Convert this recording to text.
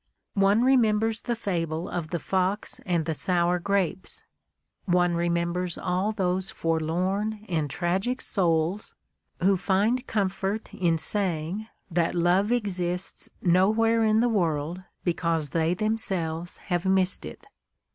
One remembers the fable of the fox and the sour grapes, one remembers all those forlorn and tragic souls who find comfort in saying that love exists nowhere in the world because they themselves have missed it.